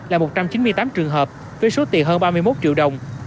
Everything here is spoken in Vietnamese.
là một trăm chín mươi tám trường hợp với số tiền hơn ba mươi một triệu đồng